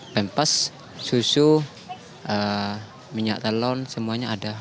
pempas susu minyak talon semuanya ada